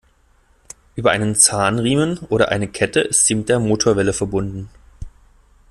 Über einen Zahnriemen oder eine Kette ist sie mit der Motorwelle verbunden.